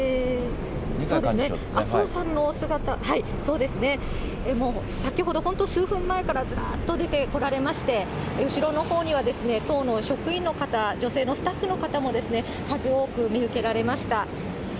麻生さんの姿、そうですね、先ほど、本当、数分前からずらーっと出てこられまして、後ろのほうには党の職員の方、女性のスタッフの方も数多く見受けられました。